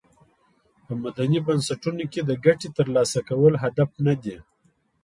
په مدني بنسټونو کې د ګټې تر لاسه کول هدف ندی.